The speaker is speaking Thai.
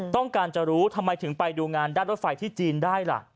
ต้องการจะรู้ทำไมถึงไปดูงานด้านรถไฟที่จีนได้ล่ะ